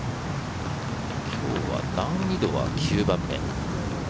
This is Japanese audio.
今日は難易度は９番目。